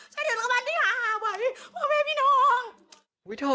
ฉันถือกละวันที่หา๕ใบเพราะแม่พี่น้อง